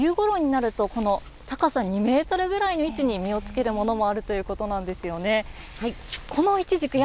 冬ごろになると、この高さ２メートルぐらいの位置に実をつけるものもあるということなんですよね。